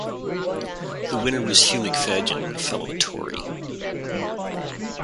The winner was Hugh McFadyen, a fellow Tory.